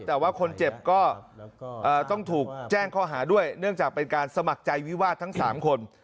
แต่ว่าคนเจ็บก็ต้องถูกแจ้งข้อหาด้วยเนื่องจากเป็นการสมัครใจวิวาสทั้ง๓คน